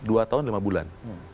dua tahun lima bulan